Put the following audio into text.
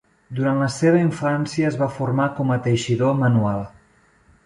Durant la seva infància es va formar com a teixidor manual.